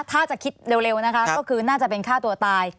ถ้าจะคิดเร็วนะคะก็คือน่าจะเป็นฆ่าตัวตาย